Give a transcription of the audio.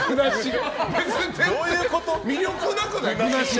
魅力なくない？